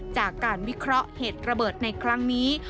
จากการวิเคราะห์เหตุระเบิดในครั้งนี้